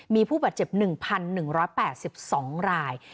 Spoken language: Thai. มีผู้บาดเจ็บ๑๑๘๒ราย